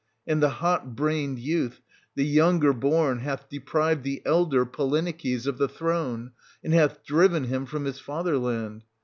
And the hot brained youth, the younger born, hath deprived the elder, Polyneices, of the throne, and hath driven him from his father land.